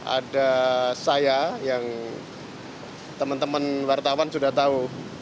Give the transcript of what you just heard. ada saya yang teman teman wartawan sudah tahu